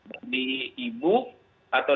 dari ibu atau